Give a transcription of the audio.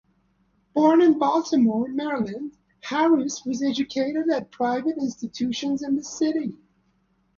Born in Baltimore, Maryland, Harris was educated at private institutions in the city.